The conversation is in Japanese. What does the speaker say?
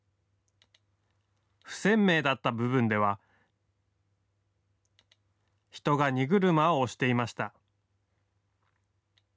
不鮮明だった部分では人が荷車を押していました。